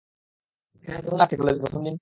এখানে কেমন লাগছে কলেজের প্রথমদিন।